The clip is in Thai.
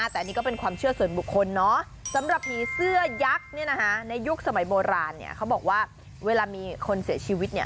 แต่อันนี้ก็เป็นความเชื่อส่วนบุคคลเนอะสำหรับหมีเสื้อยักษ์ในยุคสมัยโบราณเขาบอกว่าเวลามีคนเสียชีวิตเนี่ย